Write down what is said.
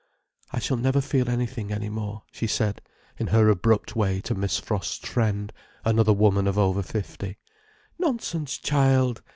"I shall never feel anything any more," she said in her abrupt way to Miss Frost's friend, another woman of over fifty. "Nonsense, child!"